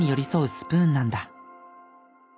スプーンなんだ。